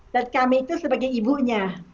dan kami itu sebagai ibunya